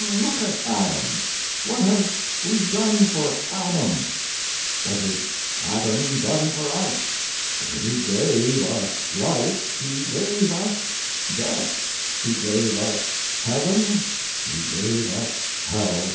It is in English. Look at Adam, what have we done for Adam? What has Adam done for us? He gave us life, he gave us death, he gave us heaven, he gave us hell.